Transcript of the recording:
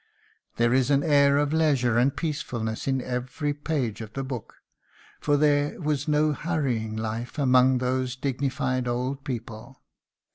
There is an air of leisure and peacefulness in every page of the book, for there was no hurrying life among those dignified old people.